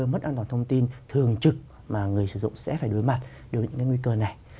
mất an toàn thông tin thường trực mà người sử dụng sẽ phải đối mặt đối với những cái nguy cơ này